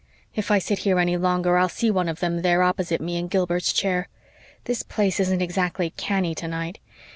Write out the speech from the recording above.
If I sit here any longer I'll see one of them there opposite me in Gilbert's chair. This place isn't exactly canny tonight.